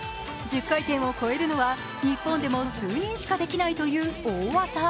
１０回転を超えるのは日本でも数人しかできないという大技。